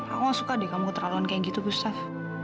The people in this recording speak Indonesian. aku gak suka deh kamu keterlaluan kayak gitu gustaf